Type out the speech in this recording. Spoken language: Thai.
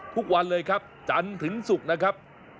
ทุกวันเลยครับจันทร์ถึงศุกร์นะครับ